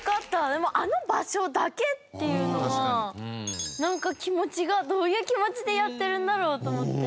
でもあの場所だけっていうのはなんか気持ちがどういう気持ちでやってるんだろう？と思って。